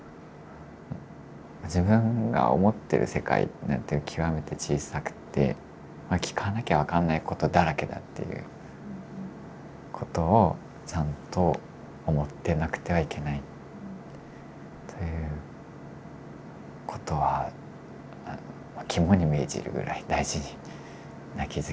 自分が思ってる世界なんて極めて小さくて聞かなきゃ分かんないことだらけだっていうことをちゃんと思ってなくてはいけないということは肝に銘じるぐらい大事な気付きになりました。